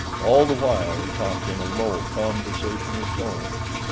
All the while he talked in a low, conversational tone.